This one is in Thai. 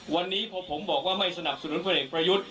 วันนี้พอผมบอกว่าไม่สนับสนุนพลเอกประยุทธ์